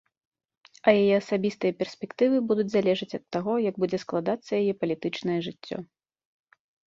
А яе асабістыя перспектывы будуць залежаць ад таго, як будзе складацца яе палітычнае жыццё.